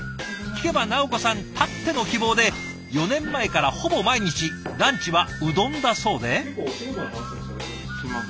聞けば直子さんたっての希望で４年前からほぼ毎日ランチはうどんだそうで。